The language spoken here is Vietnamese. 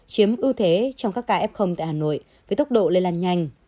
chiếm ưu thế trong các ca ép công tại hà nội với tốc độ lây lan nhanh